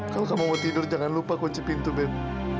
kalau kamu mau tidur jangan lupa kunci pintu bem